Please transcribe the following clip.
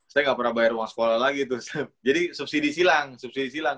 saya nggak pernah bayar uang sekolah lagi tuh jadi subsidi silang subsidi silang